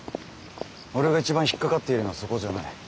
俺が一番引っ掛かっているのはそこじゃない。